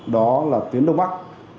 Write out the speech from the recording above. đó là tuyến đông bắc